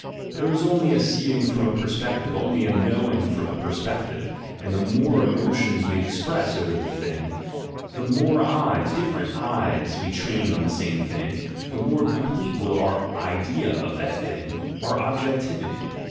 There is only a seeing from a perspective, only a "knowing" from a perspective, and the more emotions we express over a thing, the more eyes, different eyes, we train on the same thing, the more complete will be our "idea" of that thing, our "objectivity."